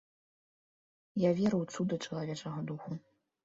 Я веру ў цуды чалавечага духу.